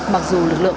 mặc dù lực lượng